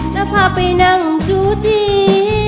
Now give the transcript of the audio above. แล้วพาไปนั่งจูจี